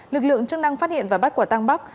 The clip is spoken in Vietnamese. lực lượng chức năng phát hiện và bắt quả tăng bắc